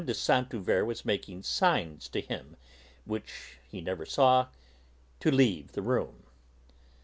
de Saint Euverte was making signs to him, which he never saw, to leave the room.